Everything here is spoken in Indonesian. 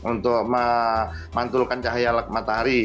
untuk memantulkan cahaya matahari